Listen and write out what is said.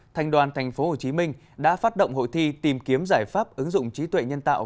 thành đoàn tp hcm đã phát động hội thi tìm kiếm giải pháp ứng dụng trí tuệ nhân tạo